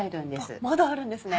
あっまだあるんですね。